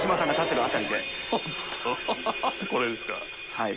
はい。